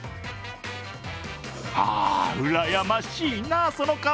あ、うらやましいな、その顔。